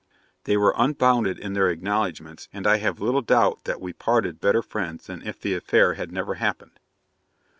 They were unbounded in their acknowledgements; and I have little doubt but that we parted better friends than if the affair had never happened.'